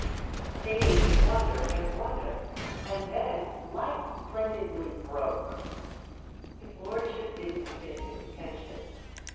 They made me wonder and wonder—and then light splendidly broke." His lordship didn't stint his attention.